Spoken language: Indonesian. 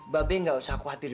babe nggak usah khawatir